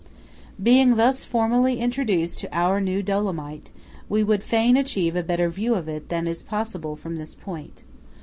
Being thus formally introduced to our new Dolomite, we would fain achieve a better view of it than is possible from this point.